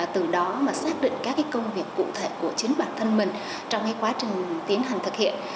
từ đó mà xác định các công việc cụ thể của chính bản thân mình trong quá trình tiến hành thực hiện